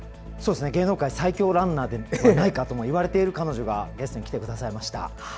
芸能界最強ランナーではといわれている彼女がゲストに来てくださいました。